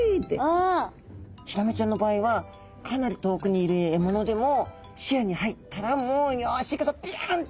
ヒラメちゃんの場合はかなり遠くにいる獲物でも視野に入ったらもうよし行くぞピヤンとこう飛びかかる。